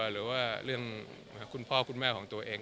หรือว่าเรื่องคุณพ่อคุณแม่ของตัวเอง